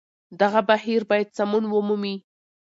دغه بهير بايد سمون ومومي